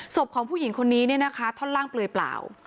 ศพของผู้หญิงคนนี้ท่อนล่างเปลือยเปล่า